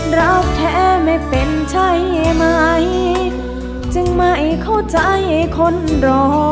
รับแค่ไม่เป็นใช่ไหมจึงไม่เข้าใจคนรอ